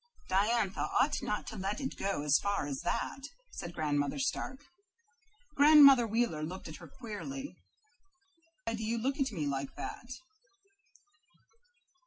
"Diantha ought not to let it go as far as that," said Grandmother Stark. Grandmother Wheeler looked at her queerly. "Why do you look at me like that?"